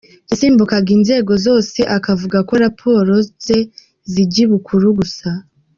Yasimbukaga inzego zose akavuga ko raporo ze zijya ibukuru gusa.